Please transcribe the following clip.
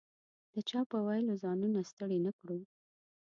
د چا په ویلو ځانونه ستړي نه کړو.